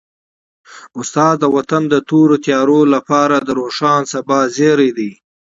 استاد د وطن د تورو تیارو لپاره د روښانه سبا زېری دی.